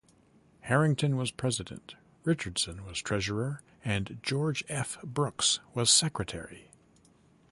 Harrington was president, Richardson was treasurer, and George F. Brooks was secretary.